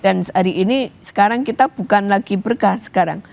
dan hari ini sekarang kita bukan lagi berkah sekarang